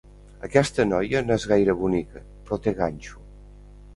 Aquesta noia no és gaire bonica, però té ganxo.